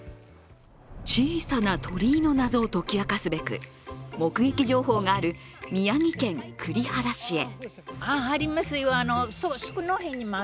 小さな鳥居の謎を解き明かすべく目撃情報がある宮城県栗原市へ。